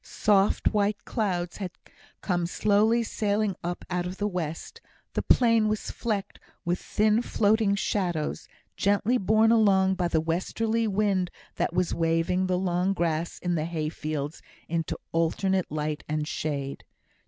Soft white clouds had come slowly sailing up out of the west; the plain was flecked with thin floating shadows, gently borne along by the westerly wind that was waving the long grass in the hay fields into alternate light and shade.